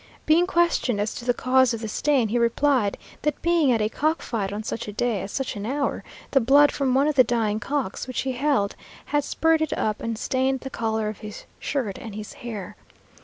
Being questioned as to the cause of the stain, he replied, that being at a cock fight, on such a day, at such an hour, the blood from one of the dying cocks, which he held, had spirted up, and stained the collar of his shirt and his hair.